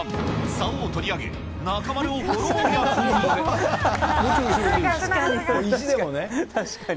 さおを取り上げ、中丸をフォロー役に。